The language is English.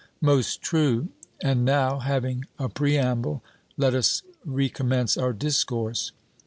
'Most true: and now, having a preamble, let us recommence our discourse.'